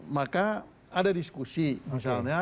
maka ada diskusi misalnya